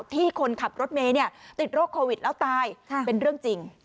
คนขับรถเมย์ติดโรคโควิดแล้วตายเป็นเรื่องจริง